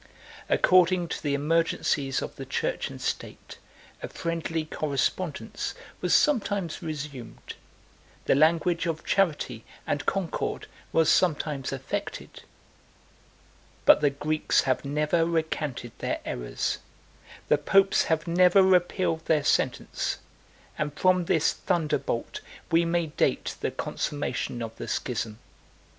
According to the emergencies of the church and state, a friendly correspondence was some times resumed; the language of charity and concord was sometimes affected; but the Greeks have never recanted their errors; the popes have never repealed their sentence; and from this thunderbolt we may date the consummation of the schism.